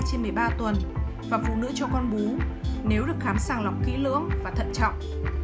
trên một mươi ba tuần và phụ nữ cho con bú nếu được khám sàng lọc kỹ lưỡng và thận trọng